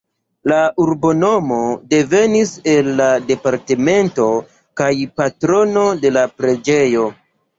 La urbonomo devenis el la departemento kaj patrono de la preĝejo.